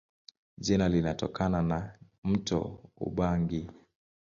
Jina linatokana na mto Ubangi.